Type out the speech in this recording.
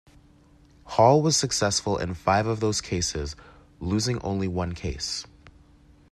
Hall was successful in five of those cases, losing only one case.